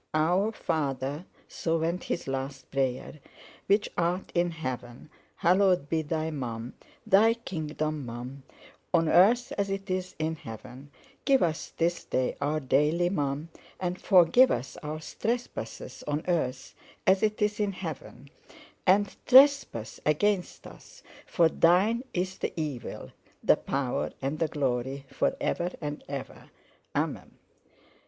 "Our Father"—so went his last prayer, "which art in heaven, hallowed be thy Mum, thy Kingdom Mum—on Earth as it is in heaven, give us this day our daily Mum and forgive us our trespasses on earth as it is in heaven and trespass against us, for thine is the evil the power and the glory for ever and ever. Amum!